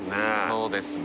そうですね。